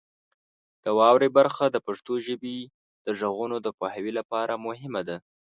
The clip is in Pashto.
د واورئ برخه د پښتو ژبې د غږونو د پوهاوي لپاره مهمه ده.